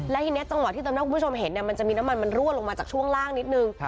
และที่ที่ตรงนอกที่ทำให้คุณผู้ชมเห็นเนี่ยมันจะมีน้ำมันมันรวดลงมาจากช่วงล่างนิดนึง